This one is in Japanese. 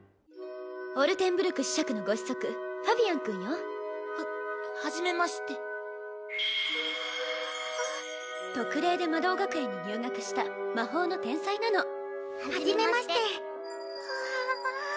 オルテンブルク子爵のご子息ファビアンくははじめまして（特例で魔導学園に入学した魔法の天才なのはじめましてあ